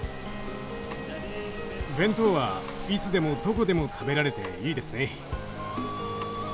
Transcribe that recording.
弁当はいつでもどこでも食べられていいですね。